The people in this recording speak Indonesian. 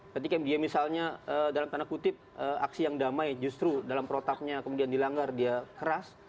ketika dia misalnya dalam tanda kutip aksi yang damai justru dalam protaknya kemudian dilanggar dia keras